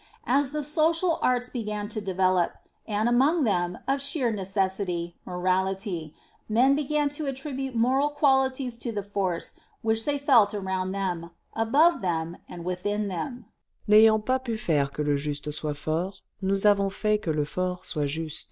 As the social arts began to develop, and, among them, of sheer INTRODUCTION xxi necessity, morality, men began to attribute moral qualities to the force which they felt around them, above them, and within them.